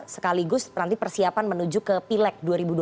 sekaligus nanti persiapan menuju ke pileg dua ribu dua puluh